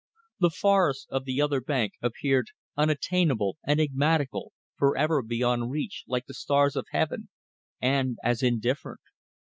The forests of the other bank appeared unattainable, enigmatical, for ever beyond reach like the stars of heaven and as indifferent.